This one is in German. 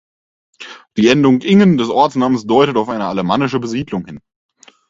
Die Endung -ingen des Ortsnamens deutet auf eine alemannische Besiedlung hin.